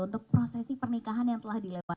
untuk prosesi pernikahan yang telah dilewat